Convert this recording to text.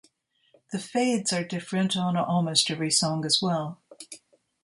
The fades are different on almost every song as well.